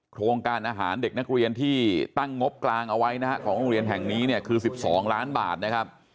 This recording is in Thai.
โครงการอาหารเด็กนักเรียนที่ตั้งงบกลางเอาไว้นะฮะของโรงเรียนแห่งนี้เนี่ยคือ๑๒ล้านบาทนะครับ